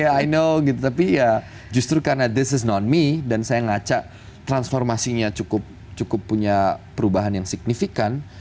ya i know gitu tapi ya justru karena this is not me dan saya ngaca transformasinya cukup punya perubahan yang signifikan